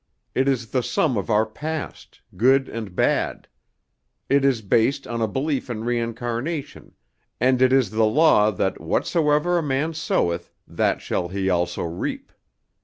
It is the sum of our past, good and bad. It is based on a belief in reincarnation, and it is the law that whatsoever a man soweth that shall he also reap.